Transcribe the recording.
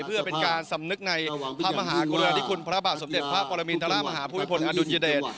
เพื่อเป็นการสำนึกในพระมหากรุณาธิคุณพระบาทสมเด็จพระปรมินทรมาฮาภูมิพลอดุลยเดช